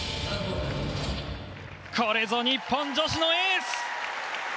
これぞ日本女子のエース！